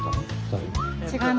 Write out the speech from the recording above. はい。